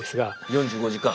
４５時間。